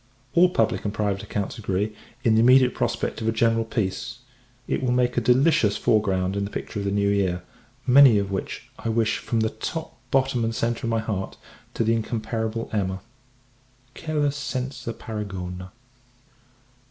All public and private accounts agree, in the immediate prospect of a general peace. It will make a delicious foreground in the picture of the new year; many of which, I wish, from the top, bottom, and centre of my heart, to the incomparable Emma quella senza paragona!